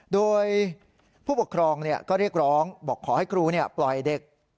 โดยผู้ปกครองก็เรียกร้องบอกขอให้ครูปล่อยเด็ก